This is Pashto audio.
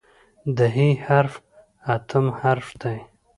د "ح" حرف اتم حرف دی.